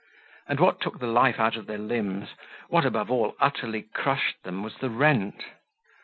And what took the life out of their limbs, what above all utterly crushed them was the rent.